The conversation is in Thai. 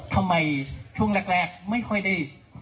ทำไมช่วงแรกไม่ค่อยได้